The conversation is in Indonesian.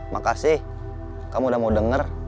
makasih kamu udah mau denger